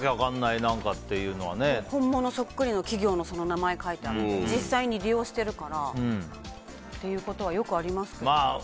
本物そっくりの企業の名前が書いてあって実際に利用してるからっていうことはよくありますけど。